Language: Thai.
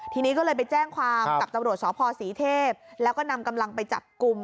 ทีนี้ก็เลยไปแจ้งความกับตำรวจสพศรีเทพแล้วก็นำกำลังไปจับกลุ่ม